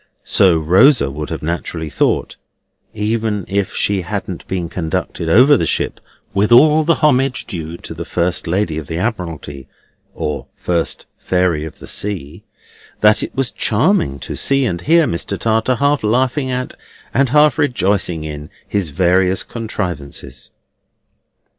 So Rosa would have naturally thought (even if she hadn't been conducted over the ship with all the homage due to the First Lady of the Admiralty, or First Fairy of the Sea), that it was charming to see and hear Mr. Tartar half laughing at, and half rejoicing in, his various contrivances.